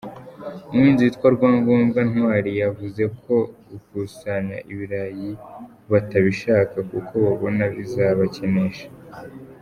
Umuhinzi witwa Rwangombwa Ntwari yavuze ko gukusanya ibirayi batabishaka, kuko babona bizabakenesha.